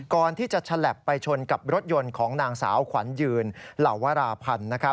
ฉลับไปชนกับรถยนต์ของนางสาวขวัญยืนเหล่าวราพันธ์